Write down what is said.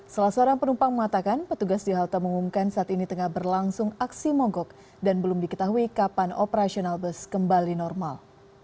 salah seorang penumpang mengatakan petugas di halte mengumumkan saat ini tengah berlangsung aksi mogok dan belum diketahui kapan operasional bus kembali normal